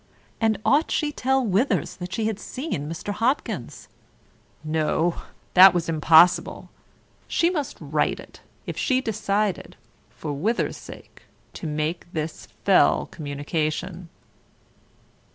And ought she to tell Withers that she had seen Mr. Hopkins ... no, that was impossible: she must write it, if she decided (for Wither's sake) to make this fell communication.